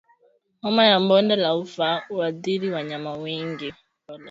Homa ya bonde la ufa huathiri wanyama wengi